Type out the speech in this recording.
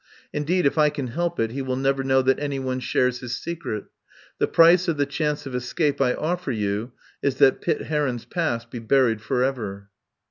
Indeed, if I can help it, he will never know that anyone shares his secret. The price of the chance of escape I offer you is that Pitt Heron's past be buried for ever."